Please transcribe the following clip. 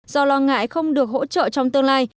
do lo ngại không được hỗ trợ trong tương lai